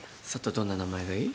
どんな名前がいい？